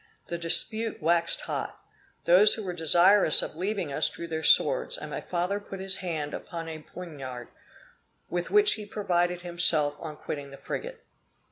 The dispute waxed hot. Those who were desirous of leaving us drew their swords, and my father put his hand upon a poignard, with which he had provided himself on quitting the frigate.